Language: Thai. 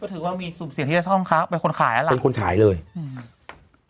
ก็ถือว่ามีสูงเสียที่จะต้องค้าเป็นคนขายน่ะเป็นคนขายเลยอืม